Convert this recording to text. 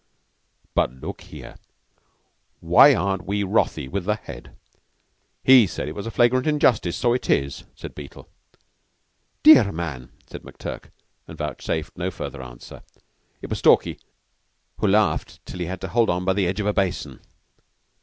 "But look here, why aren't we wrathy with the Head? He said it was a flagrant injustice. So it is!" said Beetle. "Dear man," said McTurk, and vouchsafed no further answer. It was Stalky who laughed till he had to hold on by the edge of a basin.